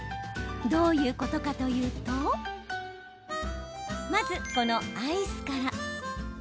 どういうことかというとまず、このアイスから。